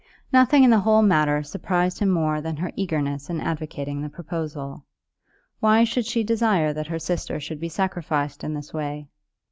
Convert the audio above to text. Nothing in the whole matter surprised him more than her eagerness in advocating the proposal. Why should she desire that her sister should be sacrificed in this way?